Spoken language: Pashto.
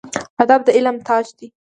ادب د علم تاج دی